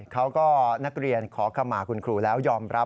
เขาก็นักเรียนขอขมาคุณครูแล้วยอมรับ